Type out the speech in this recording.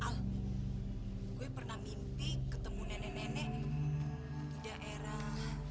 ah gue pernah mimpi ketemu nenek nenek di daerah